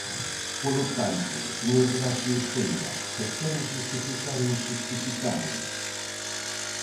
Polo tanto, señor Braxe Uceira, pretende xustificar o inxustificable.